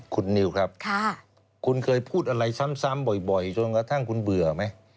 คุณนิวครับคุณเคยพูดอะไรซ้ำบ่อยจนกระทั่งคุณเบื่อไหม